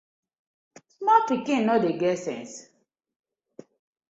Small pikin no dey get sense.